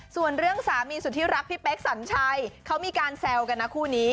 ส่วนเรื่องสามีสุดที่รักพี่เป๊กสัญชัยเขามีการแซวกันนะคู่นี้